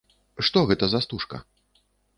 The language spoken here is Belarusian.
Што гэта за стужка?